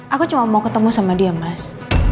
aku cuma mau ketemu sama dia mas